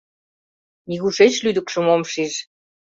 Нигушеч лӱдыкшым ом шиж.